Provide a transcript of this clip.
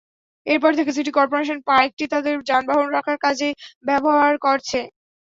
এরপর থেকে city corporation পার্কটি তাদের যানবাহন রাখার কাজে ব্যবহার করছে।